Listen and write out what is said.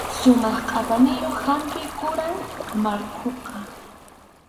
Sumaq qʼapayniyuq hampi quram markhuqa.